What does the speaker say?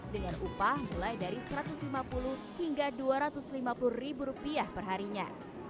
dengan upah mulai dari satu ratus lima puluh hingga dua ratus lima puluh ribu rupiah perharinya